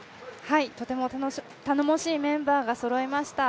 とても頼もしいメンバーがそろいました。